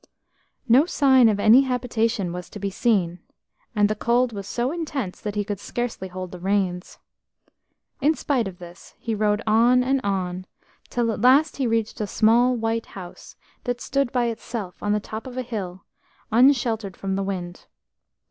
No sign of any habitation was to be seen, and the cold was so intense that he could scarcely hold the reins. In spite of this, he rode on and on, till at last he reached a small white house that stood by itself on the top of a hill, unsheltered from the wind.